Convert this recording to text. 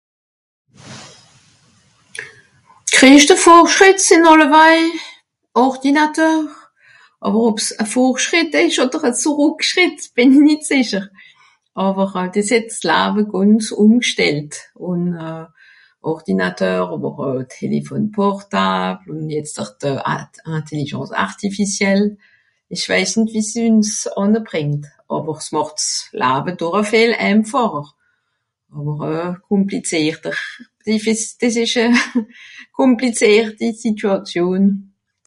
Le progrès c'est sans doute les ordis, mais est ce vraiment un progrès ou plutôt une régression, J'en suis pas sûre mais ça a chamboulé la vie les ordis, les portables et maintenant l'IA Je sais pas où ça nous mènera mais ça simplifie quand même la vie, et ça la complique aussic'est une situation complexe